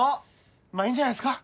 まっいいんじゃないっすか？